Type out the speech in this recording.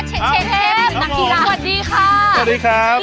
เชฟสวัสดีกันครับ